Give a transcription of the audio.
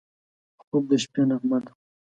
خوب د شپه نغمه ده